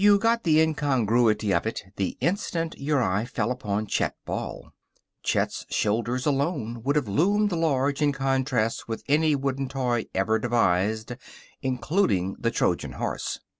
You got the incongruity of it the instant your eye fell upon Chet Ball. Chet's shoulders alone would have loomed large in contrast with any wooden toy ever devised, including the Trojan horse.